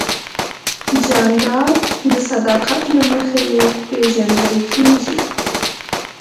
جانداد د صداقت له مخې پېژندل کېږي.